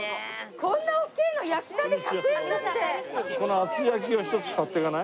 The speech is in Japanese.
こんな大きいの焼きたて１００円だって！